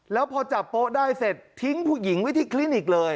แล้วพอจับโป๊ะได้เสร็จทิ้งผู้หญิงไว้ที่คลินิกเลย